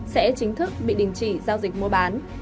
sẽ chính thức bị đình chỉ giao dịch mua bán